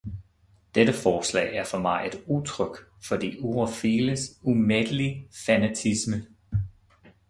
Dette forslag er for mig et udtryk for de eurofiles umættelige fanatisme.